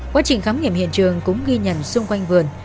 quá trình khám nghiệm hiện trường cũng ghi nhận xung quanh vườn